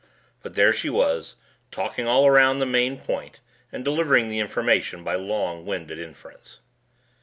But there she was, talking all around the main point and delivering the information by long winded inference.